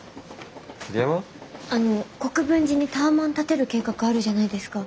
あの国分寺にタワマン建てる計画あるじゃないですか？